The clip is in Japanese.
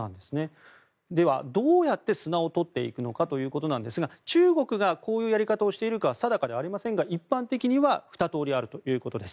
では、どうやって砂を取っていくかですが中国がこういうやり方をしているかは定かではありませんが一般的には２通りあるということです。